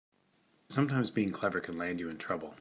Sometimes being clever can land you in trouble.